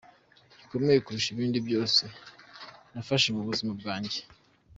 gikomeye kurusha ibindi byose nafashe mu buzima bwanjye,".